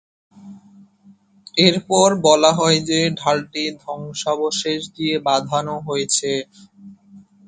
এরপর বলা হয় যে, ঢালটি ধ্বংসাবশেষ দিয়ে "বাঁধানো" হয়েছে।